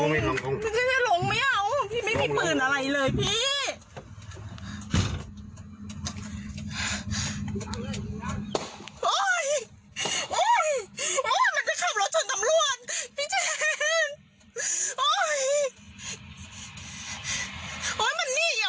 มันก็ขับรถชนตำรวจพี่เจน